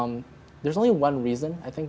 ada satu alasan yang saya pikirkan